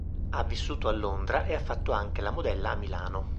Ha vissuto a Londra e ha fatto anche la modella a Milano.